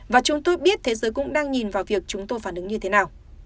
và chúng tôi biết thế giới cũng đang nhìn vào việc chúng tôi phản ứng như thế nào